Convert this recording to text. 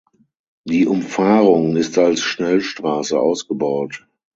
Die Umfahrung ist als Schnellstraße ausgebaut.